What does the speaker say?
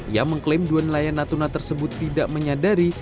ia mengklaim dua nelayan natuna tersebut tidak menyadari